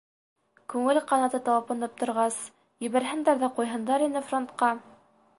Күңел ҡанаты талпынып торғас, ебәрһендәр ҙә ҡуйһындар ине фронтҡа.